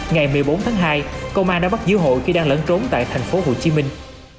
ngày một mươi bốn tháng hai công an đã bắt giữ hội khi đang lẫn trốn tại thành phố hồ chí minh